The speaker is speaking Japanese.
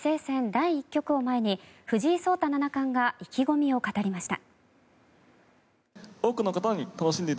第１局を前に藤井聡太七冠が意気込みを語りました。